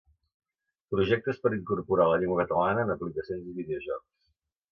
Projectes per incorporar la llengua catalana en aplicacions i videojocs.